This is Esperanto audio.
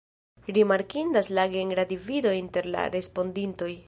Rimarkindas la genra divido inter la respondintoj.